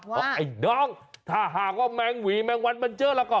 ไอ้น้องถ้าหากว่าแมงหวีแมงวันมันเยอะแล้วก็